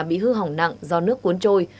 bị hư hỏng nặng do nước cuốn trôi